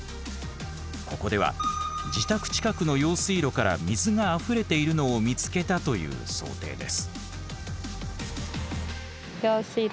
ここでは自宅近くの用水路から水があふれているのを見つけたという想定です。